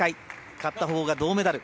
勝ったほうが銅メダル。